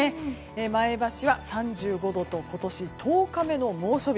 前橋は３５度と今年１０日目の猛暑日。